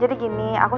jadi itu aja